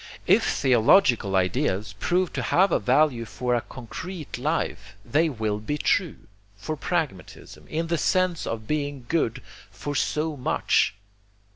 IF THEOLOGICAL IDEAS PROVE TO HAVE A VALUE FOR CONCRETE LIFE, THEY WILL BE TRUE, FOR PRAGMATISM, IN THE SENSE OF BEING GOOD FOR SO MUCH.